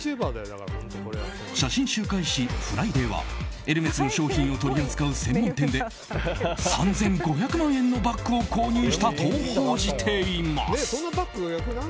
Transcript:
写真週刊誌「フライデー」はエルメスの商品を取り扱う専門店で３５００万円のバッグを購入したと報じています。